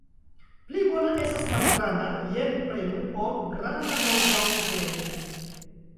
Pli bona estas malgranda "jen prenu" ol granda "morgaŭ venu".